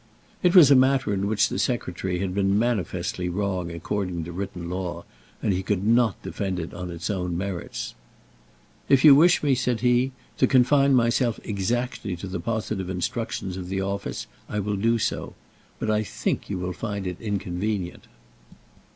It was a matter in which the Secretary had been manifestly wrong according to written law, and he could not defend it on its own merits. "If you wish me," said he, "to confine myself exactly to the positive instructions of the office, I will do so; but I think you will find it inconvenient."